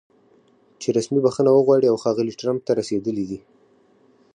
چې رسمي بښنه وغواړي او ښاغلي ټرمپ ته د رسېدلي